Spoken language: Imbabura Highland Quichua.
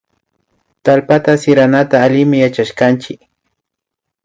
Tallpata siranata allimi yachashkanki